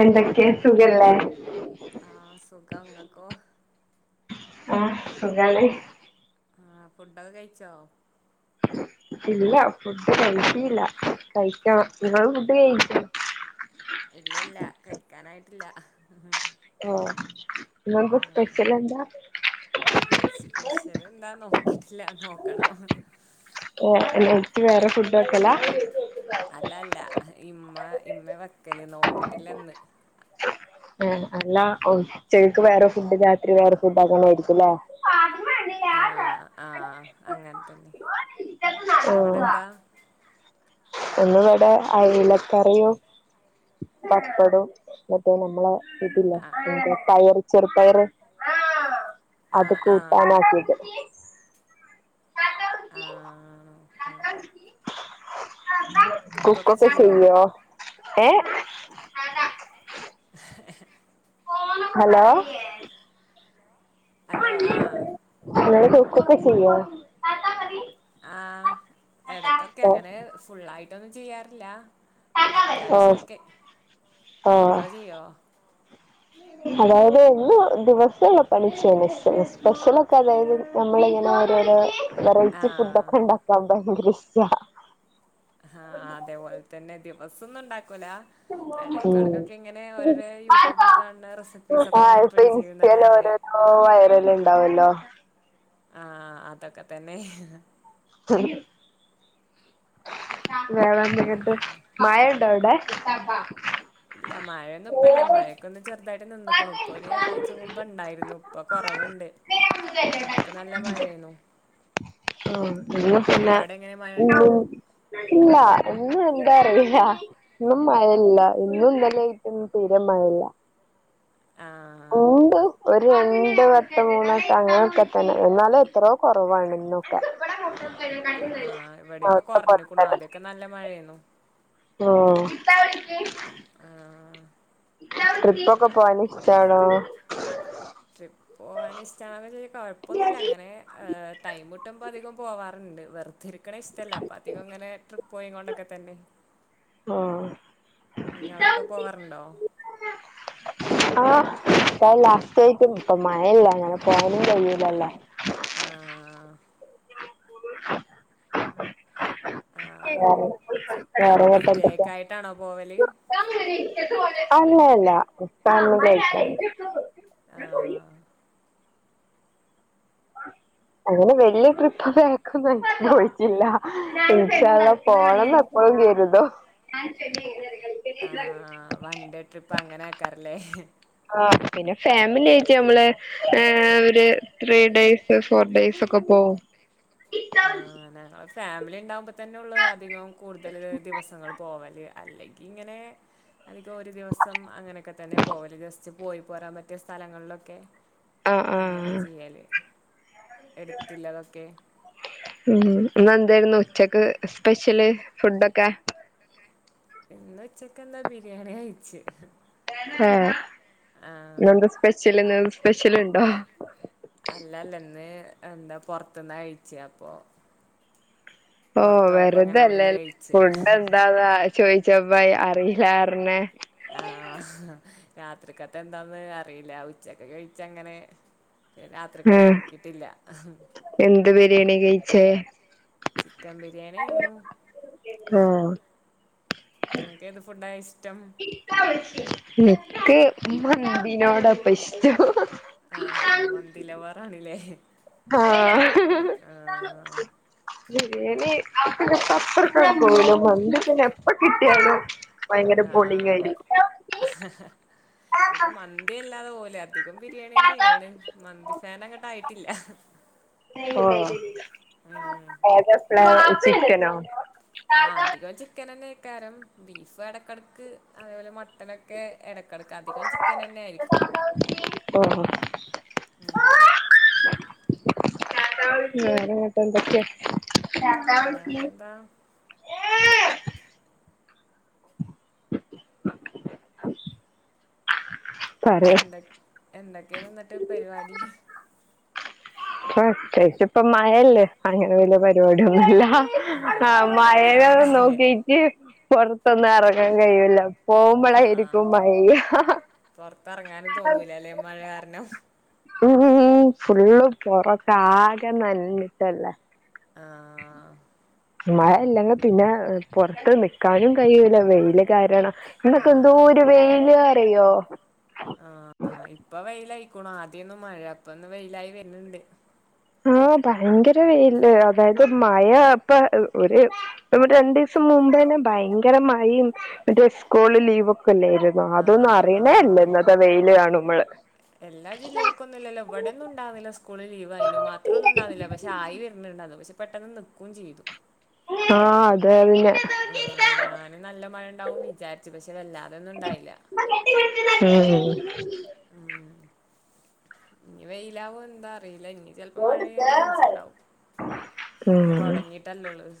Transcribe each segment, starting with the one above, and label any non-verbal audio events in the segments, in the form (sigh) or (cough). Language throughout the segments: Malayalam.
എന്തൊക്കെയ സുഖല്ലേ കങ്ങകോ ആഹ് സുഖണ് ആ ഫുഡകൊ കഴിച്ചോ ഇല്ല. ഫുഡ് കഴിച്ചില്ല. കഴിക്കണം. നിങ്ങൾ ഫുഡ് കഴിച്ച ഇല്ല ഇല്ല കഴിക്കാനായിട്ടില്ല ആ. ഇങ്ങള്ക്ക് സ്പെഷ്യൽ എന്താ സ്പെഷ്യൽ എന്താ നോക്കിട്ടില്ല നോക്കണം ഓ. നൈറ്റ് വേറെ ഫുഡ് ക്കെല്ലാ അല്ലല്ല. ഇമ്മ ഇമ്മ വെക്കല് നോക്കിട്ടില്ലന്ന് ആ അല്ലഒ ഉച്ചക്ക് വേറെ ഫുഡ് രാത്രി വേറെ ഫുഡ് അങ്ങളേര്കുലേ ആ ആ അങ്ങൻത്തന്നെ. അവിടെ ന്താ ഇന്ന് ഇവിടെ അയിലകറിയും പപ്പടും മറ്റേ നമ്മളേ കിട്ടില്ലേ, ആഹ് പയർ ചെറുപ്പയറ് അത് ആഹ് ആഹ് കൂട്ടനാക്കിയത് ആ കുക്കൊക്കെ ചെയ്യോ ഏ ഹലോ ഹലോ ആ കുക്കെ ചെയ്യോ ആ, എടക്കൊക്കെ, ഓ അങ്ങനെ ഫുള്ളായിട്ടൊന്നും ചെയ്യാറില്ല ഓ അത്യാവശ്യൊക്കെ ഓ നിങ്ങള് ചെയ്യോ അതായത് ന്ന് ദിവസ്സം പണിചെല്ലേ. സ്പെഷ്യലൊക്കെ അതായത് നമ്മള് ഇങ്ങനെ ഓരോരോ വെറൈറ്റി ആഹ് ഫുഡോക്കെ ണ്ടാക്കാൻ. ഭയങ്കര ഇഷ്ടാ ആ, അതേപോലതന്നെ ദിവസൊന്നും ഉണ്ടാക്കൂല ഉം എടക്കടകൊക്കെ ഇങ്ങനെ ഓരോരോ യൂട്യൂബിൽ കാണുന്ന റെസിപ്പീസ് ഒക്കെ ഇങ്ങന ട്രൈ ചെയ്യുന്നല്ലാതെ ഓ വയലല് ഉണ്ടാവൊല്ലോ ആ, അതൊക്കെ തന്നെ ആ വേറെന്തെക്കേണ്ട് മയയുണ്ടോ അവിടെ ക് ത്തബ ഇല്ല മഴയൊന്നും ഇപ്പല്ല മഴക്കൊന്നു ചെറുതായി നിന്നക്ണു പ്പൊരു ആഴ്ച മുമ്പ ണ്ടായിരുന്നു ഇപ്പൊ കൊറവ്ണ്ട് ആദ്യക്കെ നല്ല മഴയെര്ന്നു ആ ഇന്നാ പിന്നെ മഴ ഉണ്ടോ ഇല്ല ന്ന്എന്താ അറിയില്ല ഇന്നും മഴയില്ല ഇന്നും ഇന്നലിം യെ തീരെ മഴയില്ല ആ രണ്ടട്ട മൂന്നട്ടം അങ്ങനൊക്കെ തന്നെ എന്നാലും എത്രോ കൊറവാണ് ഇന്നൊക്കെ ആ ഇവിടെ ഇപ്പൊ അവിടുത്തെ കൊറഞ്ഞികുണു ആദ്യൊക്കെ നല്ല മഴേര്ന്നു ഓ ആ ട്രിപ്പൊക്കെപോയാൻ ഇഷ്ടാണോ ട്രിപ്പ് പോവാൻഇഷ്ടണെ കൊഴപ്പൊന്നുല്ല അങ്ങനെ ആ ടൈംകിട്ടു അപ്പ അധികം പോവാറുണ്ട് വെറുതെ രിക്കണ ഇഷ്ടല്ല പ്പ അധികം ഇങ്ങനെ ട്രിപ്പ് പോയി കൊണ്ടൊക്ക തന്നെ ആ നിങ്ങളൊക്കെ. പോവാറുണ്ടോ ആ, പ്പ ലാസ്റ്റ് ആയിട്ടും ഇപ്പ മഴയില്ല അങ്ങനെ പോവാനും കഴിയിലല്ലോ ആ ആ വേറെയിട്ടെന്തെക്കെ സ്റ്റേക്ക് ആയിട്ടാണോ പോവല് (unintelligible) അല്ല അല്ല പമിലിആയിട്ടാ ആഹ് അങ്ങനെ വല്യ ട്രിപ്പ് കൊന്നു. (unintelligible) പോണംപ്പോ ആഹ, ആ, വൺണ്ടേ. ട്രിപ്പ് അങ്ങനെ ആക്കാരല്ലേ ഹ് ആ പിന്നെ ഫാമിലി ആയിട്ട് നമ്മള് ഹ് ഒരു ത്രീ ഡേസ് ഫോർ ഡേയ്സ് ഒക്കെ പോ ആ ഞങ്ങള് ഫാമിലി ഉണ്ടാവകുമ്പോ തന്നെ ഉള്ളൂ അധികവും കൂടുതല് ദിവസങ്ങൾ പോവല് അല്ലെങ്കി ഇങ്ങനേ അതൊക്കെ ഓരോ ദിവസം അങ്ങനെയൊക്കെ തന്നെ പോവല് ജസ്റ്റ് പോയി പോരാൻ പറ്റിയ സ്ഥലങ്ങളിലൊക്കെ ആഹ് അങ്ങനെ ആഹ് ചെയ്യല് എടുത്തില്ലതൊക്കെ ഉം ഇന്ന് എന്തായിരുന്നു ഉച്ചക്ക് സ്പെഷ്യല് ഫുഡൊക്കെ ഇന്ന് ഉച്ചക്ക് എന്താ ബിരിയാണി അയിച്ചു ആഹ നിന്ത സ്പെഷ്യല്ന്ത സ്പെഷ്യൽണ്ടോ അല്ല അല്ലന്ന് എന്താ പൊറത്തന്നാ കഴിച്ച അപ്പൊ ഓ പൊറത്ത് പോയപ്പോ അങ്ങനെ വെറുതല്ലേേ അവിടുന്ന് കഴിച്ച് ഫുഡ് എന്താന്നാ ചോയിിച്ച ൈ അറിയില്ലാർന്നെ ആഹ രാത്രിക്കത്ത് എന്താന്ന് അറിയില്ല ഉച്ചക്കെ കഴിച്ച് അങ്ങനെ ആഹ് എന്ത് ബിരിയാണി കഴിച്ചേ നായിരുന്നു ഓ ഉം നിങ്ങക്ക് ഏതു ഫുഡാ കഴിച്ച് എനക്ക് മമ്പിനോടപ്പ ഇഷ്ടം ഹ് ഹ് ആഹ് ആ മന്തിലവാറാണില്ലേ ആഹ ഹ ഹ ബിരിയേണി പിന്നെപ്പ (unintelligible) മന്തി പിന്നെ എപ്പ കിട്ടിയാലും ഭയങ്കര ആഹ് പോളിങ്ങായിരിക്കും ഇൻക്ക് മന്തി വല്ലാതെ പോവൂല അധികം ബിരിയാണിയെന്നേണ് മന്തി ഫാൻ അങ്ങട്ട് ആയിട്ടില്ല. ഉം ഓ ഏതെവെക്ക്ണെ ചിക്കനോ? ആ അധികം ചിക്കൻ നന്നെയ്ക്കാരം ബീഫ് എടക്കെടക്ക് അതേപോലെ മ ട്ടനൊക്കെ എടക്കെടക്ക് അധികം ചിക്കൻ നന്നെ ആയിരിക്കും. ഓ ഉം വേറെ ന്നട്ട് എന്തക്കെ? വേറെന്താ പറയാ എന്തൊ എന്തൊക്കെയാ ഇന്നട്ട് പരിവാടി? പ്രേതെയ്ച്ച്പ്പൊ മഴല്ലേ, അങ്ങനെ വല്യയ പരിവാടിയൊന്നുല്ല. ആഹ് പൊറത്തൊക്കൊക്കെ മയേനെ എറങ്ങാല്ലേ നോക്കീറ്റ് പൊർത്തൊന്നും എറങ്ങാൻ കഴിയൂല്ല പോകുമ്പോളായിരി ക്കും മയെയ്യ. പൊർത്തറങ്ങാനും തോന്നൂല ലേ മഴ കാരണം ഉം ഫുള്ള് പൊറൊക്ക ആകെ നനഞ്ഞിട്ടല്ലേ. ആഹ് മഴ ഇല്ലെങ്കി പിന്നെ പൊറത്ത് നിക്കാനും കഴിയൂല വെയില് കാരണം ഇന്നൊക്കെ ആഹ് എന്തോര് വെയില് അറിയോ? ക്കൊണ് ആദ്യയിന്നു മഴ ഇപ്പൊന്ന് വെയിലായി വര്ന്ണ്ട്. ആഹ് ഭയങ്കര വെയില അതായത് മഴ ഇപ്പ ഒരു ഇവടെ രണ്ടീസം മു മ്പാണ് ഭയങ്കര മയിം (unintelligible) സ്കൂള് ലീവൊ ക്കെലെയിരുന്നൊ അതൊന്നും ആഹ് അറിയന്നേ ല്ല ആഹ് ഇന്നത്തെ വെയില് കാണുമ്പള് എല്ലാ ജില്ലേൾക്കൊന്നുല്ലലോ ഇവ്ടെന്നും ഉണ്ടാവ് ലസ്കൂള് ലീവ് അയ്നു മാത്രം ഒന്നുണ്ടാവില്ല പക്ഷെ ആയി വര്ന്ണ്ട് അത് പക്ഷെ പെട്ടെന്ന് നിക്കും ചെയ്തു ആ അതെ പിന്നെ ആഹ് ഞാന് നല്ല മഴ ഇണ്ടാവും വിചാരിച്ച് പക്ഷെ വല്ലാതൊന്നും ഇണ്ടായില്ല. ഉം ഇനി വെയിലാവോ എന്താ അറിയില്ല അല്ല ഇനി ചിലപ്പോ മഴെയ്യൻ ചാൻസ് ഉണ്ടാവും ഉം തുടങ്ങിട്ടല്ലള്ളത്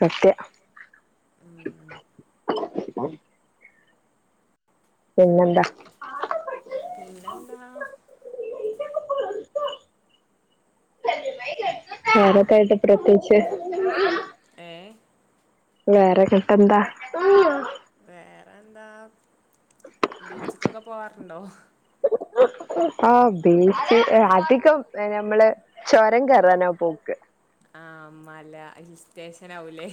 സത്യ ആ പിന്നെന്താ പിന്നെ എന്താ വേറൊക്കായിട്ട് പ്രത്യേകിച്ച് ഏഹ് വേറെങ്ങിട്ടെന്താ വേറെന്താ ബീച്ചക്കൊക്കെ പോവാറുണ്ടോ? ആ ബീച്ച് അധികം നമ്മള് ചുരം കേറാനാ പോക്ക് ആഹ് മല ഹിൽ സ്റ്റേഷനാവൂലേ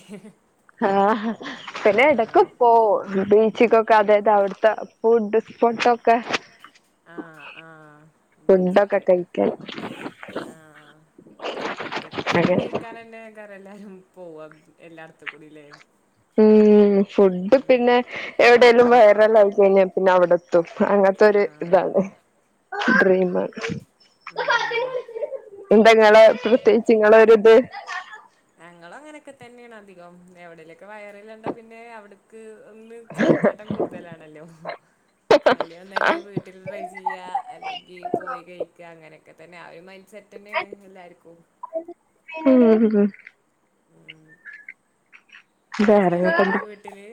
ആഹ് പിന്നെ എടക്ക് പോവും ച്ചിക്കൊക്കെ അതായത് അവിട്ത്തെ ഫുഡ് ഫുഡൊക്കെ ആഹ് ആഹ് ബീച്ച്ത്തെ കഴിക്കാൻ ആഹ് അധികം അങ്ങനെ ഫുഡഴിക്കാനന്നെക്കാ ഇപ്പ എല്ലാരും പോവാ എല്ലാട്ത്തും കൂടില്ലേ ഉം ഫുഡ് പിന്നെ എവിടെലും വൈറലായി കഴിഞ്ഞാ പിന്നെ അവിടെ എത്തും. അങ്ങ ആ ത്തൊരു ഇതാണ് ഡ്രീമാണ് ഉം എന്താ ഇങ്ങളെ പ്രത്യേകിച്ച് ഇങ്ങളൊരുത് ക്കെ തന്നേണ് അധികം എവിടേലൊക്കെ വയറല് കണ്ടാ പിന്നെ അവിട്ക്ക് ഒന്ന് ചാഞ്ചാട്ടം കൂടുതലാണല്ലോ അല്ല ഒന്നുല് വീട്ടിൽ ട്രൈ ചെയ്യാ അല്ലെങ്കി പോയി കഴിക്ക അങ്ങനെ ഒക്കെ തന്നെ ആ ഒരു മൈൻഡ് സെറ്റ്ന്നെയാണ് എല്ലാർക്കും (unintelligible) ട്രൈ ചെയ്യലുണ്ടോ വേറെങ്ങട്ട നിങ്ങള് വീട്ടില്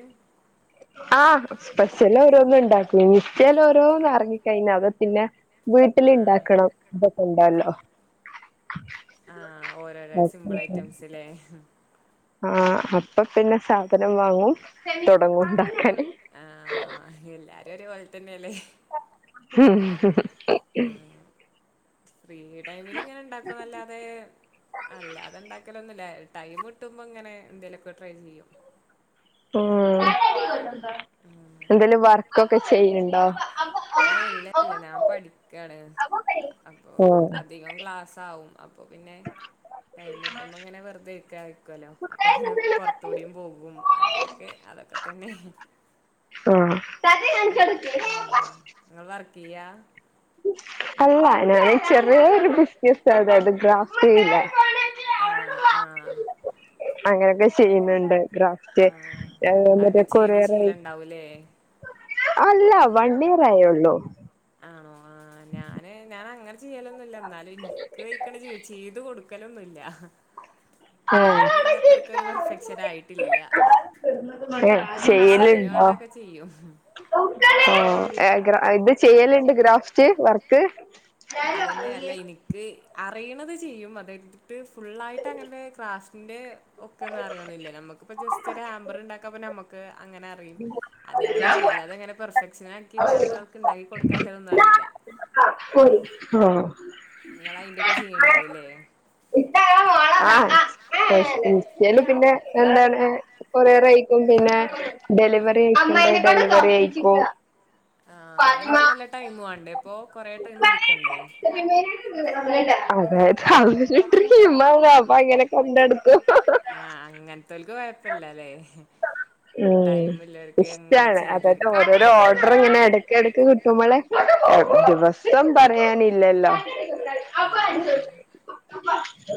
ആഹ് സ്പെഷ്യലായി (unintelligible) ഉണ്ടാക്കും ഇൻസ്റ്റേല് ഓരോന്ന്ന ഇറങ്ങി കഴിഞ്ഞ അത് പിന്നെ ആ വീട്ടില് ഇണ്ടാക്കണം ഇതൊക്കെണ്ടല്ലോ ആഹ് ഓരോരോ സിമ്പിൾ ഐറ്റംസ് ല്ലേ ആഹ് അപ്പൊ പിന്നെ സാധനം വാങ്ങും തൊടങ്ങും ണ്ടാക്കാന്. ആഹ് എല്ലാരും ഒരേപോലെ തന്നേല്ലേ ഫ്രീ ടൈമില് ഇങ്ങനെ ഇണ്ടാക്കുന്നല്ലാതെ അല്ലാതെ ണ്ടാക്കലൊന്ന് ല്ല ടൈം കിട്ടുമ്പോ ഇങ്ങനെ എന്തേലൊക്കെ ട്രൈ ചെയ്യും ആഹ് എന്തേലും വർക്കൊക്കെ ചെയ്യ്ണ്ടോ? ഏഹ് ഇല്ല ഇല്ല നാൻ പഠിക്കാണ് അപ്പൊ ഓഹ് അധികം ക്ലാസ്സാവും. അപ്പോ പിന്നെ ടൈമ് കിട്ടുമ്പോ ഇങ്ങനെ വെറ്തെ ഇര്ക്കാ ക്കല്ലോ അപ്പൊ അങ്ങനെ പൊർത്തൂടിം പോകും അങ്ങനെയൊക്കെ അതൊക്കെ തന്നെ ആഹ് ക്കിയാ അല്ല ഞാന് ചെറ്യോരു ബിസിനസ് അതായത് ഗ്രാഫില്ലേ ആഹ് ആഹ് അങ്ങനെയൊക്കെ ചെയ്യ്ണ്ണ്ട് ഗ്രാഫ്റ്റെ ആഹ് മറ്റേ അതൊക്കെ ചെയ്ത് കൊറിയറായി ശീലം ഉണ്ടാവൂലേ അല്ല വൺ ഇയർ ആയുള്ളൂ. ആണോ ആ ഞാന് ഞാൻ അങ്ങനെ ചെയ്യലൊന്നുല്ല എന്നാലും ഇൻക്ക് വഴിക്ക്ണ ചെയ്യ് ചെയ്ത് കൊടു ക്കലൊന്നുല്ല ഏഹ് അയിന്ള്ള അത്രക്ക് ഒരു പെർഫെക്ഷൻ ആയിട്ടില്ല. ഏഹ് ആവിശ്യത്തിന് വേണ്ടൊക്കെ ചെയ്യും. ആഹ് ഏ ഗ്ര ഇത് ചെയ്യല്ണ്ട് ഗ്രാഫ്റ്റ് വർക്ക് അതന്നെ അല്ല ഇനിക്ക് പറയണത് ചെയ്യും അത് കരുതിട്ട് ഫുുള്ളായിട്ട് അങ്ങനെ ക്രാഫ്റ്റിൻ്റെ ഒക്കെ ഒന്നും അറിയൊന്നുല്ല. ഞമ്മക്ക്പ്പ ജസ്റ്റൊര് ഹാമ്പർ ഇണ്ടാക്കപ്പ നമ്മക്ക് അങ്ങനെ അറിയും അതേപോലെ ചെയ്യും അല്ലാതെ അങ്ങനെ പെർഫെക്ഷനാക്കി വേറൊരാൾക്ക് ഇണ്ടാക്കി കൊടുക്കാല്ലതൊന്നും അറിയില്ല ആഹ് നിങ്ങള്അയിന്റെയൊക്കെ ചെയ്യണ്ടാവൂല്ലേ? ആ ഇൻസ്റ്റ പിന്നെ എന്താണ് ഡെലിവറി അയക്കും കൊറിയർ അയക്കും ഡെലിവറി അയക്കും ആ അയിനൊക്കെ നല്ല ടൈം വേണ്ടേ? ഇപ്പൊ കൊറെ ടൈമ് ഇരിക്കണ്ടേ? അതായത് അതൊരു ഡ്രീംമാ അങ്ങനെ കൊണ്ടടുക്കും ആ അങ്ങനത്തോലക്ക് കൊഴപ്പില്ലഅല്ലേ? ഉം. ഇഷ്ടാണ് അതായത് ചെയ്തിരിക്കുക ആ ഓരോരോ ഓർഡർ ഇങ്ങനെ ഇടക്ക് ഇടക്ക് കിട്ട മ്മളെ ദിവസം പറയാനില്ലല്ലോ? ആ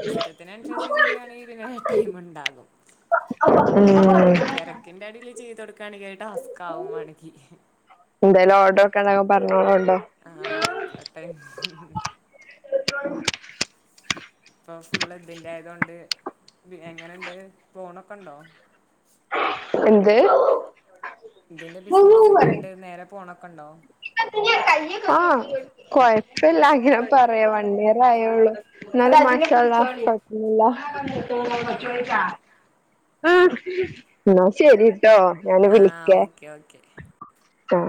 ഇഷ്ടത്തിനുസരിച്ച് ചെയ്യയാണെങ്കിൽ പിന്നെ ടൈമ് ഉണ്ടാകും. ഉം ങ്കില് ടാസ്ക് ആകും മാണെങ്കി എന്തായാലും ഓർഡർ ഒക്കെ ഉണ്ടാകുമ്പോ പറഞ്ഞോളോണ്ടു ആ ആയികോട്ടെ. എങ്ങനെയുണ്ട്? ഫോണൊക്കെ ഉണ്ടോ? എന്ത്? ഇതിന്റെ ബിസിനസ്സ് എങ്ങനുണ്ട് നേരെ പോണൊക്കെ ഉണ്ടോ? ആ കൊഴപ്പില്ല അങ്ങനെ പറയാൻ വേണ്ടി വൺ ഇയർ ആയുള്ളു. എന്നാലും മാഷാഅള്ളാ കുഴപ്പമില്ല. ആ ആ എന്ന ശരി. കേട്ടോ ഞാന് ആ വിളിക്കേ. ഓക്കെ ഓക്കെ ആ